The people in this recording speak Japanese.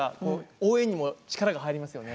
応援にも力が入りますよね。